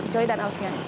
joy dan alvia